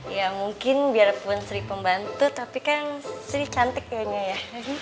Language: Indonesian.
ya mungkin biarpun sri pembantu tapi kan sri cantik kayaknya ya